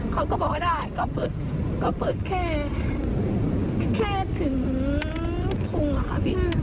เขาก็บอกว่าได้ก็เปิดแค่ถึงถุงค่ะพี่